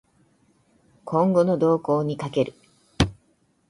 今後の動向に賭ける